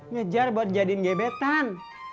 ngejar buat jadiin gebetan